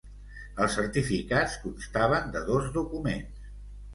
Els certificats constaven de dos documents.